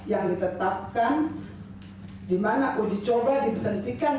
yang ditetapkan di mana uji coba diberhentikan